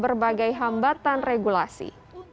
berbagai hambatan regulasi